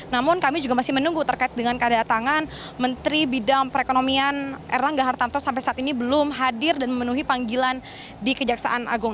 namun kami juga masih menunggu terkait dengan kedatangan menteri bidang perekonomian erlangga hartanto sampai saat ini belum hadir dan memenuhi panggilan di kejaksaan agung